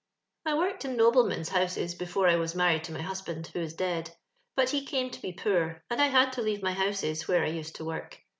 I worked in noblemen's houses before I was manried to my husband, who is dead; but he came to be poor, and I had to leave my houses where I used to work.